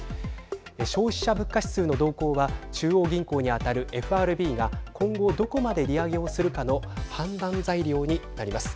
消費者物価指数の動向は中央銀行に当たるＦＲＢが今後どこまで利上げをするかの判断材料になります。